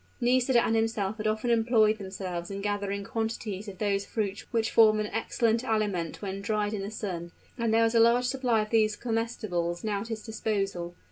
Nisida and himself had often employed themselves in gathering quantities of those fruits which form an excellent aliment when dried in the sun; and there was a large supply of these comestibles now at his disposal.